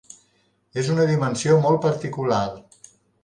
És una dimensió molt particular.